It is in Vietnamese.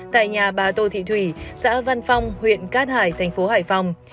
tại nhà bà tô thị thủy xã văn phong huyện cát hải thành phố hải phòng